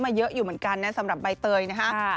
เยอะอยู่เหมือนกันนะสำหรับใบเตยนะฮะ